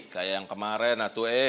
kayak yang kemarin nah tuh eh